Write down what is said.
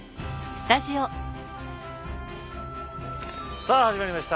さあ始まりました。